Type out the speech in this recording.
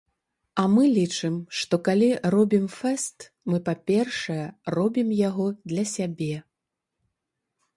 А мы лічым, што, калі робім фэст, мы, па-першае, робім яго для сябе.